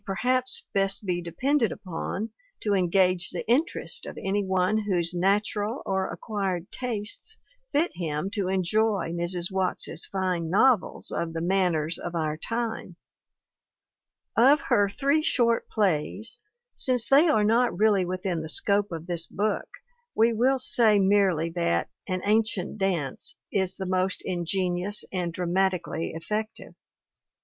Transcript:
WATTS 197 best be depended upon to engage the interest of any one whose natural or acquired tastes fit him to enjoy Mrs. Watts's fine novels of the manners of our time. Of her Three Short Plays, since they are not really within the scope of this book, we will say merely that An Ancient Dance is the most ingenious and dra matically effective.